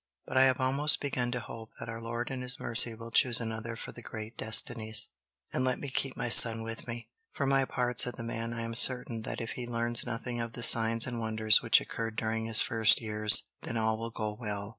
But I have almost begun to hope that our Lord in His mercy will choose another for the great destinies, and let me keep my son with me." "For my part," said the man, "I am certain that if he learns nothing of the signs and wonders which occurred during his first years, then all will go well."